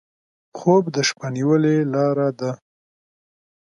خوب د شپه نیولې لاره ده